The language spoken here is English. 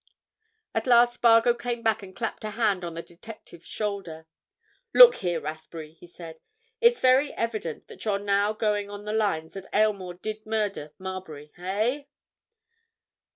At last Spargo came back and clapped a hand on the detective's shoulder. "Look here, Rathbury!" he said. "It's very evident that you're now going on the lines that Aylmore did murder Marbury. Eh?"